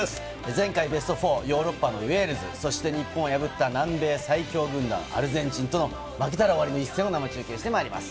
前回ベスト４、ヨーロッパのウェールズ、そして日本を破った南米最強軍団アルゼンチンとの負けたら終わりの一戦を生中継していきます。